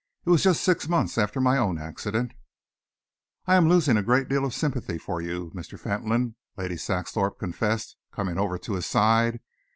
"It was just six months after my own accident." "I am losing a great deal of sympathy for you, Mr. Fentolin," Lady Saxthorpe confessed, coming over to his side.